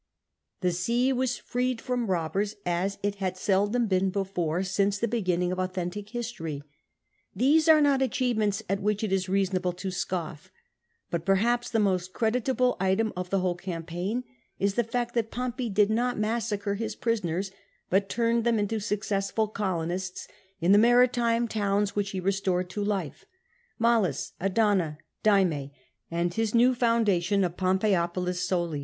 The sea was freed from robbers as it had seldom been before since the beginning of authentic history. These are not achievements at which it is reasonable to scoff ; but perhaps the most creditable item of the whole campaign is the fact that Pompey did not massacre his prisoners, but turned them into successful colonists in the maritime towns whicli ho restored to life, Mallus, Adana, Dyme, and his new foundation of Pom peioiK)lis Soli.